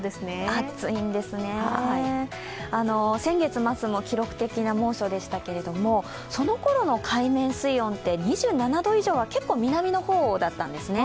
暑いんですね、先月末も記録的な猛暑でしたけれどもそのころの海面水温って２７度以上は結構南の方だったんですね。